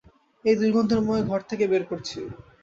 এই দুর্গন্ধময় ঘর থেকে বের করছি।